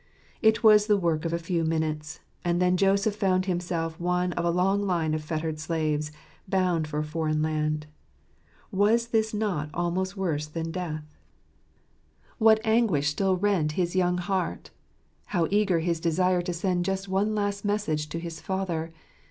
It was the work of a few minutes; and then Joseph found himself one of a long line of fettered slaves, bound for a foreign land Was not this almost worse than death ? 28 What anguish still rent his young heart I How eager his desire to send just one last message to his father